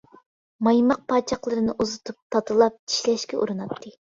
مايماق پاچاقلىرىنى ئۇزىتىپ تاتىلاپ، چىشلەشكە ئۇرۇناتتى.